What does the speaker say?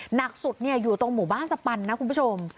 หนักสุดอยู่ตรงหมู่บ้านสปันนะคุณผู้ชม